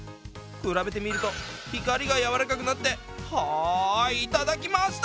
比べてみると光がやわらかくなってはいいただきました！